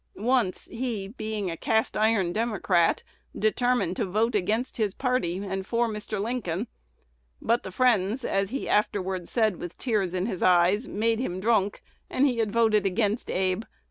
Once he, being a cast iron Democrat, determined to vote against his party and for Mr. Lincoln; but the friends, as he afterwards said with tears in his eyes, made him drunk, and he had voted against Abe.